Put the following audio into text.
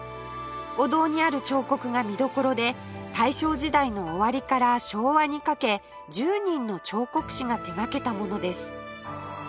お堂にある彫刻が見どころで大正時代の終わりから昭和にかけ１０人の彫刻師が手掛けたものです